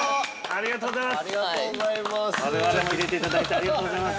◆ありがとうございます！